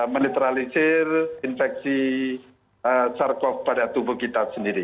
menetralisir infeksi sars cov pada tubuh kita sendiri